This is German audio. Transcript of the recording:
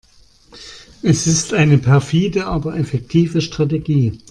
Es ist eine perfide, aber effektive Strategie.